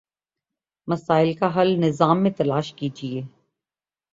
مسائل کا حل نظام میں تلاش کیجیے۔